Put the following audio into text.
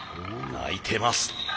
鳴いてます。